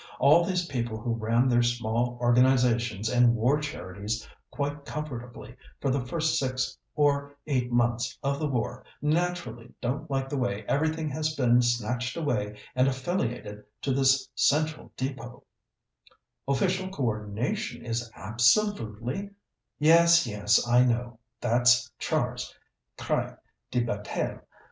All these people who ran their small organizations and war charities quite comfortably for the first six or eight months of the war naturally don't like the way everything has been snatched away and affiliated to this Central Depôt " "Official co ordination is absolutely " "Yes, yes, I know; that's Char's cri de bataille.